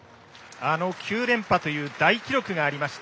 あの９連覇という大記録がありました。